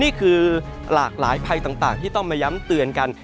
นี่คือหลากหลายภัยต่างที่ต้องมาย้ำเตือนกัน